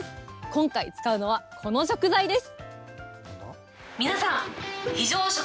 今回、使うのはこの食材です。